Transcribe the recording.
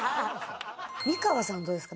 美川さんどうですか？